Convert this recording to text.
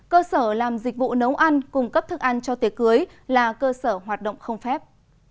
cơ sở làm dịch vụ nấu ăn cung cấp thức ăn cho tiệc cưới là cơ sở hoạt động không phép